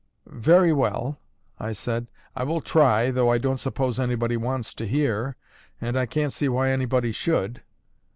"Very well," I said, "I will try, though I don't suppose anybody wants to hear, and I can't see why anybody should."